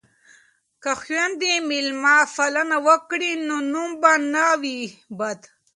که خویندې میلمه پالنه وکړي نو نوم به نه وي بد.